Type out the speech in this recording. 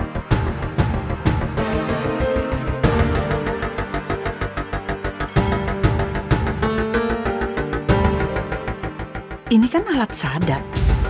ini kan alat sadap